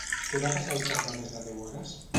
Què va passar al cap de més de deu hores?